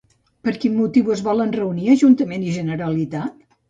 Per quin motiu es volen reunir Ajuntament i Generalitat?